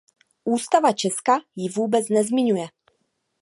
Ústava Česka ji vůbec nezmiňuje.